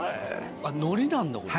海苔なんだこれ。